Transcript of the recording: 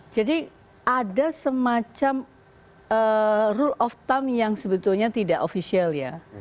ada semacam rule of time yang sebetulnya tidak official ya